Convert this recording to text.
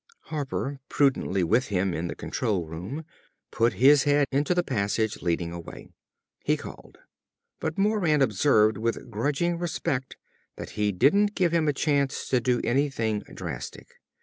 Harper, prudently with him in the control room, put his head into the passage leading away. He called. But Moran observed with grudging respect that he didn't give him a chance to do anything drastic.